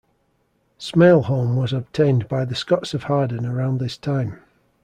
Smailholm was obtained by the Scotts of Harden around this time.